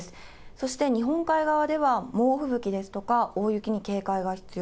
そして日本海側では、猛吹雪ですとか、大雪に警戒が必要。